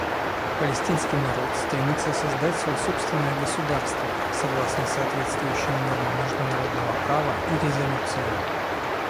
Палестинский народ стремится создать свое собственное государство согласно соответствующим нормам международного права и резолюциям.